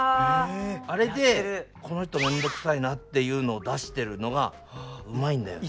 あれでこの人めんどくさいなっていうのを出してるのがうまいんだよね。